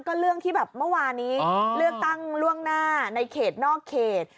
ก็เรื่องที่แบบเมื่อวานี้เลือกตั้งล่วงหน้าในเขตนอกเขต